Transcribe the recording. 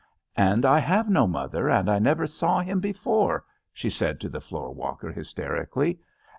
"And I have no mother, and I never saw him before !" she said to the floorwalker, hys terically.